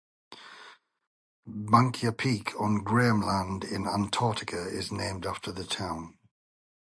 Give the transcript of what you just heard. Bankya Peak on Graham Land in Antarctica is named after the town.